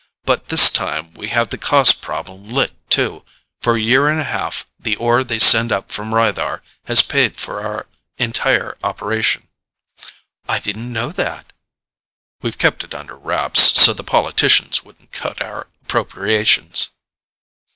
But this time we have the cost problem licked, too. For a year and a half the ore they send up from Rythar has paid for our entire operation." "I didn't know that." "We've kept it under wraps, so the politicians wouldn't cut our appropriations."